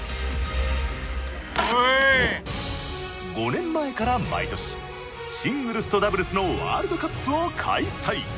５年前から毎年シングルスとダブルスのワールドカップを開催。